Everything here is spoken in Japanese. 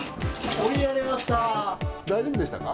大丈夫でしたか？